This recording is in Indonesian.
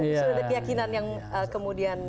sudah ada keyakinan yang kemudian